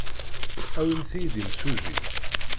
Awimt-iyi-d imsujji.